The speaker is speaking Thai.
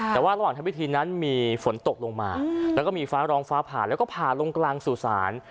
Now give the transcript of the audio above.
แต่ว่าระหว่างทำพิธีนั้นมีฝนตกลงมาแล้วก็มีฟ้าร้องฟ้าผ่าแล้วก็ผ่าลงกลางสู่ศาล